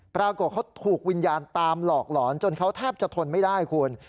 ปรากฏเขาถูกวิญญาณตามหลอกหลอนจนเขาแทบจะทนไม่ได้คุณ